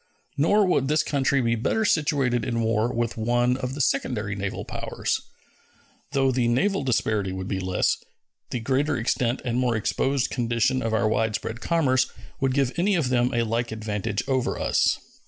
Nor would this country be better situated in war with one of the secondary naval powers. Though the naval disparity would be less, the greater extent and more exposed condition of our widespread commerce would give any of them a like advantage over us.